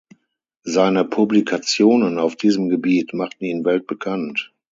Seine Publikationen auf diesem Gebiet machten ihn weltbekannt.